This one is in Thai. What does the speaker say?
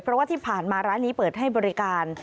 เพราะว่าที่ผ่านมาร้านนี้เปิดให้บริการ